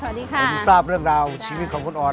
ผมทราบเรื่องราวชีวิตของคุณอ่อน